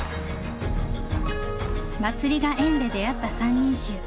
祭りが縁で出会った三人衆。